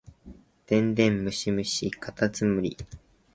電電ムシムシかたつむり